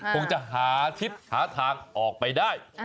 คงจะหาทิศหาทางออกไปได้